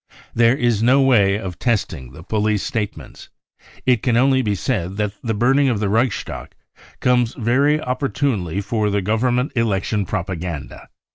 There is no way of testing the police statements. It can only be said *hat the burning of the Reichstag comes very opportunely for the Government election propaganda.